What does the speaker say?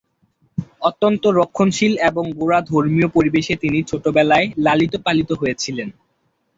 অত্যন্ত রক্ষণশীল এবং গোঁড়া ধর্মীয় পরিবেশে তিনি ছোটবেলায় লালিত পালিত হয়েছিলেন।